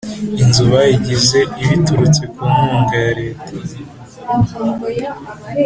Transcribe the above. Inzu bayigize ibiturutse ku nkuga ya leta